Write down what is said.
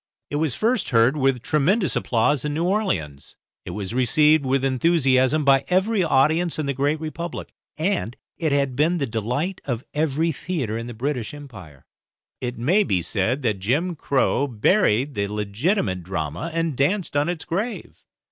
It was first heard with tremendous applause in New Orleans, it was received with enthusiasm by every audience in the Great Republic, and it had been the delight of every theatre in the British Empire. It may be said that "jim Crow" buried the legitimate drama and danced on its grave.